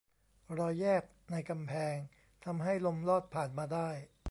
รอยแยกในกำแพงทำให้ลมลอดผ่านมาได้